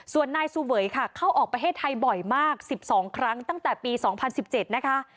ส่วนนายเสวยค่ะเข้าออกประเทศไทยบ่อยมาก๑๒ครั้งตั้งแต่ปี๒๐๑๗นะคะ